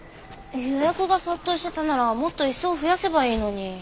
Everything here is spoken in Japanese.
予約が殺到してたならもっと椅子を増やせばいいのに。